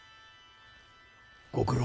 ご苦労。